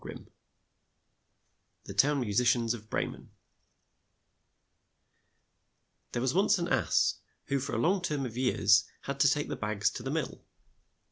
54 THE TOWN MUSICIANS OF BREMEN THERE was once an ass who for a long term of years had to take the bags to the mill.